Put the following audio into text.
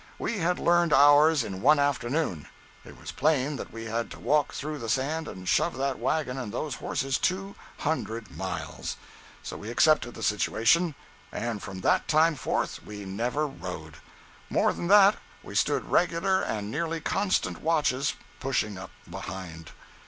We had learned ours in one afternoon. It was plain that we had to walk through the sand and shove that wagon and those horses two hundred miles. So we accepted the situation, and from that time forth we never rode. More than that, we stood regular and nearly constant watches pushing up behind.